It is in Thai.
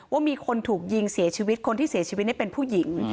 ว่ามีคนถูกยิงเสียชีวิตคนที่เสียชีวิตเป็นผู้หญิง